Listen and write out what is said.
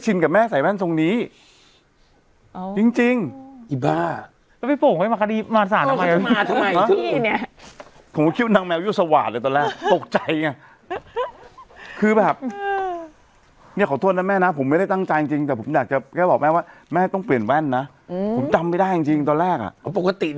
จริงจริงตอนแรกอ่ะปกตินางไม่ใส่แว่นดำนางใส่แว่นใส่ตาไง